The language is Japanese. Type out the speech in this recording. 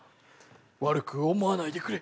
悪く思わないでくれ。